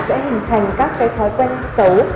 sẽ hình thành các thói quen xấu